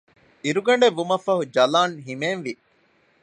އިރުގަޑެއް ވުމަށްފަހު ޖަލާން ހިމޭން ވި